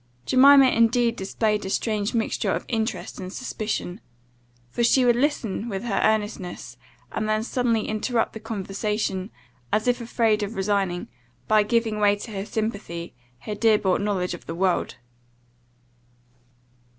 Jemima indeed displayed a strange mixture of interest and suspicion; for she would listen to her with earnestness, and then suddenly interrupt the conversation, as if afraid of resigning, by giving way to her sympathy, her dear bought knowledge of the world.